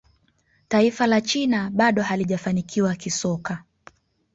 taifa la china bado halijafanikiwa kisoka